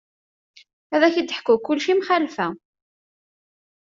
Ad ak-id-ḥku kulci mxalfa.